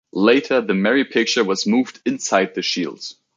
Later the Mary picture was moved inside the shield.